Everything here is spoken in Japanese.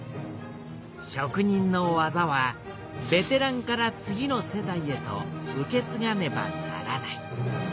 職人の技はベテランから次の世代へと受けつがねばならない。